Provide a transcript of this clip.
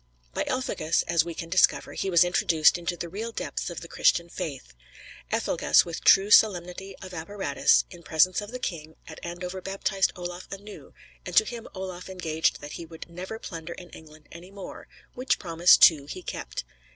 By Elphegus, as we can discover, he was introduced into the real depths of the Christian faith. Elphegus, with due solemnity of apparatus, in presence of the king, at Andover baptized Olaf anew, and to him Olaf engaged that he would never plunder in England any more; which promise, too, he kept.